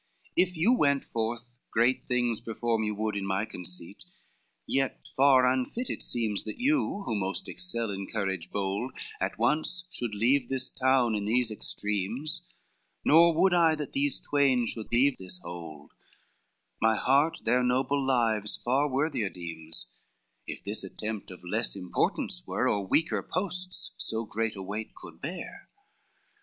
XIV "If you went forth great things perform you would, In my conceit yet far unfit it seems That you, who most excel in courage bold, At once should leave this town in these extremes, Nor would I that these twain should leave this hold, My heart their noble lives far worthier deems, If this attempt of less importance were, Or weaker posts so great a weight could bear.